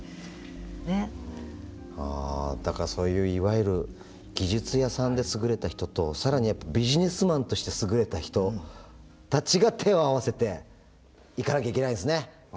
だからそういういわゆる技術屋さんで優れた人と更にビジネスマンとして優れた人たちが手を合わせていかなきゃいけないんですね。